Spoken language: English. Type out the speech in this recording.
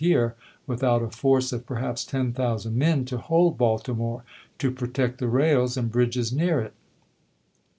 here, without a force of perhaps ten thousand men to W It Vol .. if., p. 587. ' hold Baltimore, to protect the rails and bridges near it.